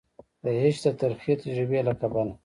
د عشق د ترخې تجربي له کبله